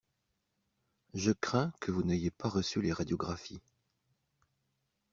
Je crains que vous n'ayez pas reçu les radiographies.